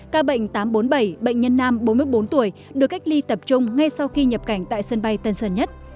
ca bệnh tám trăm bốn mươi bảy bệnh nhân nam bốn mươi bốn tuổi được cách ly tập trung ngay sau khi nhập cảnh tại sân bay tân sơn nhất